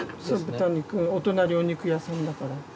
そう豚肉お隣お肉屋さんだから。